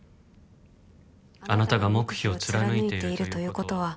「あなたが黙秘を貫いているということは」